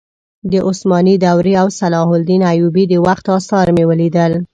د عثماني دورې او صلاح الدین ایوبي د وخت اثار مې ولیدل.